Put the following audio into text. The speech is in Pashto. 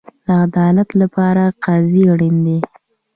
د عدالت لپاره قاضي اړین دی